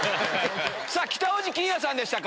北大路欣也さんでしたか？